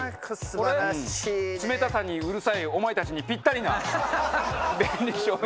冷たさにうるさいお前たちにピッタリな便利商品。